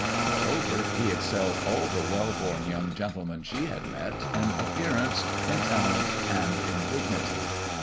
Moreover, he excelled all the well born young gentlemen she had met in appearance, in talent, and in dignity.